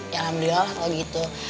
ya alhamdulillah lah kalau gitu